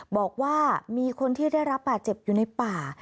บอกว่ามีคนที่ได้รับบาดเจ็บอยู่ในป่า